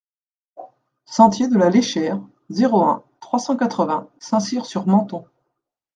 Sentier de la Léchère, zéro un, trois cent quatre-vingts Saint-Cyr-sur-Menthon